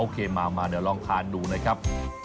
มาเดี๋ยวลองทานดูนะครับ